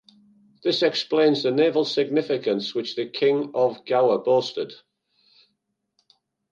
This explains the naval significance which the Kings of Gour boasted.